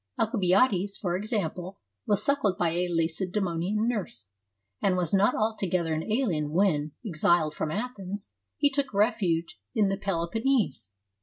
Alcibiades, for example, was suckled by a Lacedaemonian nurse, and was not altogether an alien when, exiled from Athens, he took refuge in the Peloponnese.